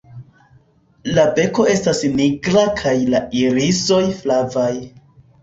La beko estas nigra kaj la irisoj flavaj.